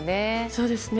そうですね。